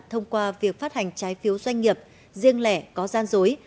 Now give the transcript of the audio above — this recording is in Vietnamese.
thông qua việc phát hành trái phiếu doanh nghiệp riêng lẻ có gian dối